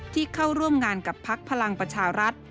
ที่เข้าร่วมงานกับพักพลังประชารัฐ